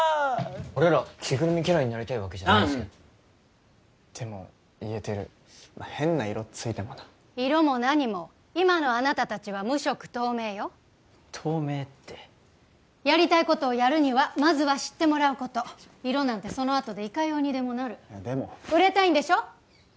俺ら着ぐるみキャラになりたいわけじゃないですけど弾でも言えてる変な色ついてもな色も何も今のあなた達は無色透明よ透明ってやりたいことをやるにはまずは知ってもらうこと色なんてそのあとでいかようにでもなるでも売れたいんでしょ？